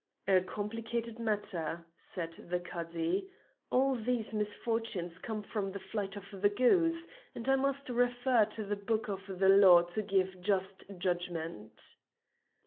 "A complicated matter," said the Cadi. "All these misfortunes come from the flight of the goose, and I must refer to the book of the law to give just judgment."